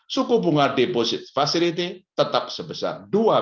suku bunga deposit facility tetap sebesar dua tujuh puluh lima